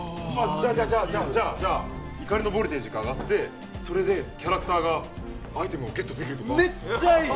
じゃあじゃあじゃあじゃあ怒りのボルテージが上がってそれでキャラクターがアイテムをゲットできるとかめっちゃいい！